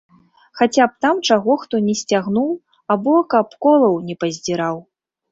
Хаця б там чаго хто не сцягнуў або каб колаў не паздзіраў.